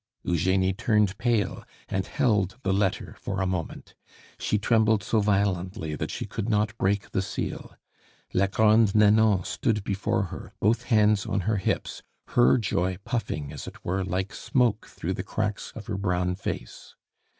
Eugenie turned pale and held the letter for a moment. She trembled so violently that she could not break the seal. La Grande Nanon stood before her, both hands on her hips, her joy puffing as it were like smoke through the cracks of her brown face.